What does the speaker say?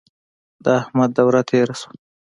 د احمد دوره تېره شوه.